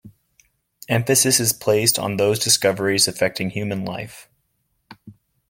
Emphasis is placed on those discoveries affecting human life.